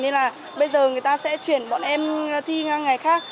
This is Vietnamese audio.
nên là bây giờ người ta sẽ chuyển bọn em thi ngang ngày khác